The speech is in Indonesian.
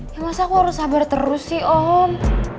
ya masa aku harus sabar terus sih om